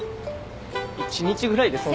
一日ぐらいでそんな。